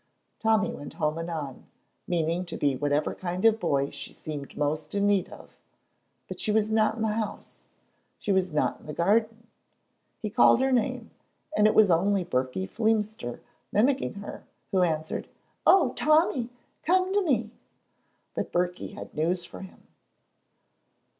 Tommy went home anon, meaning to be whatever kind of boy she seemed most in need of, but she was not in the house, she was not in the garden; he called her name, and it was only Birkie Fleemister, mimicking her, who answered, "Oh, Tommy, come to me!" But Birkie had news for him.